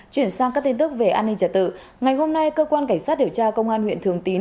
chuyển sang các tin tức về an ninh trả tự ngày hôm nay cơ quan cảnh sát điều tra công an huyện thường tín